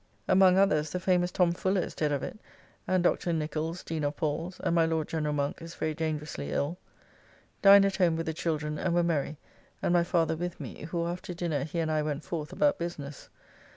Among others, the famous Tom Fuller is dead of it; and Dr. Nichols, Dean of Paul's; and my Lord General Monk is very dangerously ill. Dined at home with the children and were merry, and my father with me; who after dinner he and I went forth about business.